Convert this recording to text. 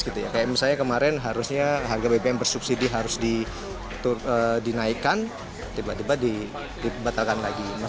kayak misalnya kemarin harusnya harga bbm bersubsidi harus dinaikkan tiba tiba dibatalkan lagi